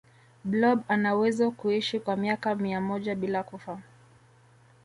blob anawezo kuishi kwa miaka mia moja bila kufa